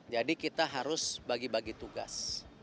jadi kita harus bagi bagi tugas